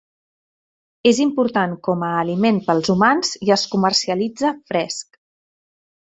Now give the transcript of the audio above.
És important com a aliment per als humans i es comercialitza fresc.